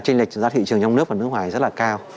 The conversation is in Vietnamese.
trinh lệch giá thị trường trong nước và nước ngoài rất là cao